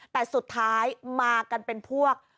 แต่สุดท้ายมากันเป็นพวก